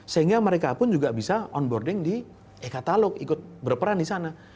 sehingga mereka pun juga bisa onboarding di e katalog ikut berperan di sana